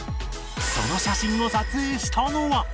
その写真を撮影したのは